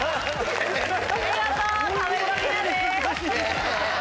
見事壁クリアです。